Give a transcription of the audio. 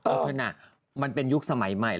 เอาเถอะนะมันเป็นยุคสมัยใหม่